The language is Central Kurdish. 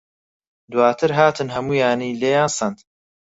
دواتر هاتن هەموویانی لێیان سەند.